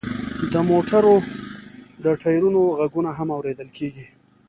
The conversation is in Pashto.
د موټرو د ټیرونو غږونه هم اوریدل کیږي